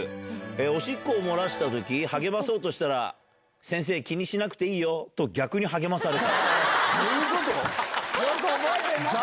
おしっこを漏らしたとき、励まそうとしたら、先生、気にしなくていいよと逆に励まされた。